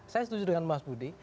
saya setuju dengan mas budi